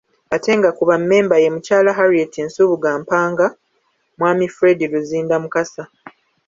Ate nga ku bammemba ye; Muky.Harriet Nsubuga Mpanga, Mw.Fred Luzinda Mukasa.